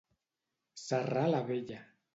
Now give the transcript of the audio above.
Serrar la vella.